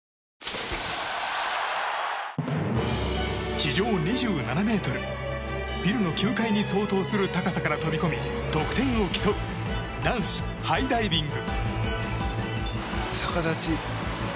地上２７ｍ、ビルの９階に相当する高さから飛び込み得点を競う男子ハイダイビング。